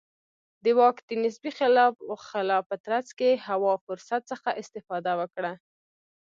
د واک د نسبي خلا په ترڅ کې هوا فرصت څخه استفاده وکړه.